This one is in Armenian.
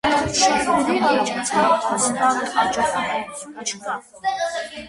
Ախտանշանների առաջացման հստակ հաջորդականություն չկա։